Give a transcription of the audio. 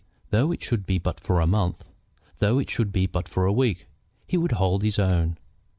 Though it should be but for a month, though it should be but for a week, he would hold his own.